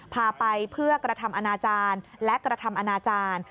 พาไปเพื่อกระทำอนาจารย์และกระทำอนาจารย์